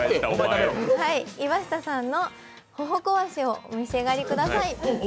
岩下さんの頬壊しをお召し上がりください。